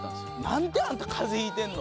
「なんであんた風邪ひいてんの？